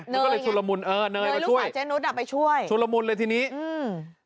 เนยไงเนยลูกสาวเจนุสอับไปช่วยชุลมุนเลยทีนี้เออเนยมาช่วย